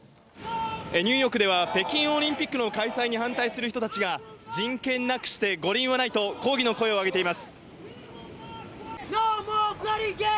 ニューヨークでは北京オリンピックの開催に反対する人たちが人権なくして五輪はないと抗議の声を上げています。